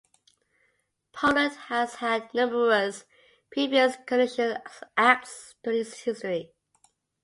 Poland has had numerous previous constitutional acts during its history.